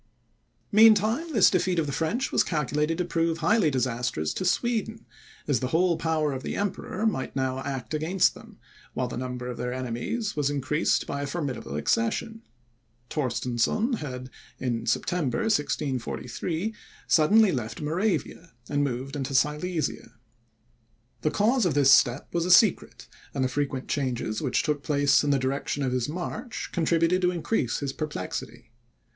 Meantime, this defeat of the French was calculated to prove highly disastrous to Sweden, as the whole power of the Emperor might now act against them, while the number of their enemies was increased by a formidable accession. Torstensohn had, in September, 1643, suddenly left Moravia, and moved into Silesia. The cause of this step was a secret, and the frequent changes which took place in the direction of his march, contributed to increase this perplexity.